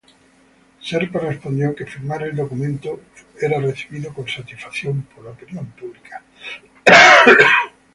Serpa respondió que firmar el documento fue recibido con 'satisfacción por la opinión pública'.